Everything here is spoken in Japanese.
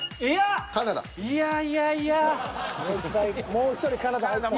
もう１人金田入ったら。